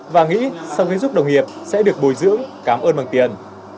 và nghĩ sau khi giúp đồng nghiệp sẽ được bồi dưỡng cảm ơn bằng tiền